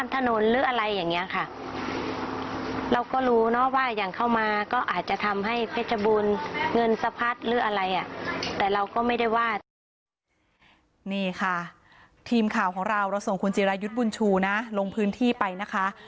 นี่ค่ะทีมข่าวของเราเราส่งคุณจิรายุทธ์บุญชูนะลงพื้นที่ไปนะคะ